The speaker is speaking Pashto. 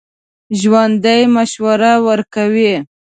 ژوندي مشوره ورکوي